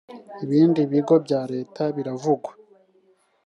ibindi bigo bya leta biravugwa .